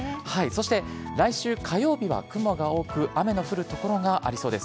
そして来週火曜日は、雲が多く、雨の降る所がありそうです。